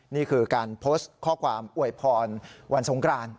นี่คือการโพสต์ข้อความอวยพรวันสงกราน